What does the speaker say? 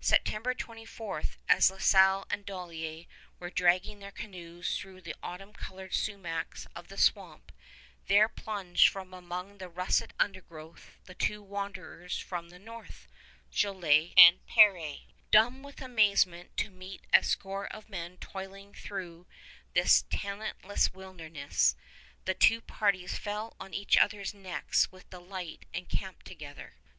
September 24, as La Salle and Dollier were dragging their canoes through the autumn colored sumacs of the swamp, there plunged from among the russet undergrowth the two wanderers from the north, Jolliet and Peré, dumb with amazement to meet a score of men toiling through this tenantless wilderness. The two parties fell on each other's necks with delight and camped together.